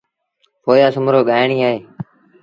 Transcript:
ڦوزيآ سومرو ڳآئيڻيٚ اهي۔